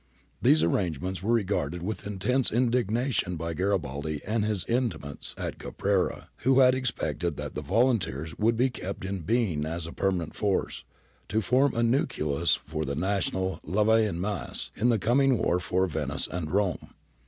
These arrangements were regarded with intense indignation by Garibaldi and his intimates at Caprera, who had expected that the volunteers would be kept in being as a permanent force, to form a nucleus for the national levee en masse in the coming war for Venice and Rome.